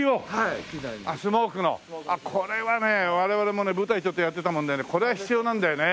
我々もね舞台ちょっとやってたもんでねこれは必要なんだよね。